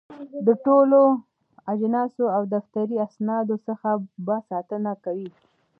د ټولو اجناسو او دفتري اسنادو څخه به ساتنه کوي.